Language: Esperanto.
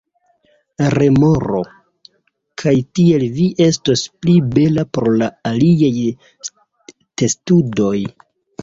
Remoro: "Kaj tiel vi estos pli bela por la aliaj testudoj."